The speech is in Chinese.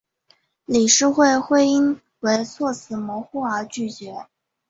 理事会因为措辞模糊而拒绝。